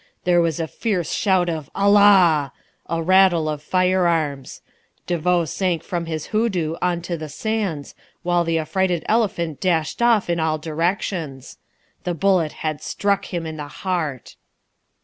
There was a fierce shout of 'Allah!' a rattle of firearms. De Vaux sank from his hoo doo on to the sands, while the affrighted elephant dashed off in all directions. The bullet had struck him in the heart."